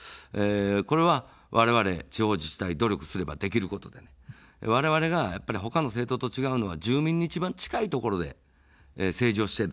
これはわれわれ地方自治体、努力すればできることで、われわれがほかの政党と違うのは住民に一番近いところで政治をしている。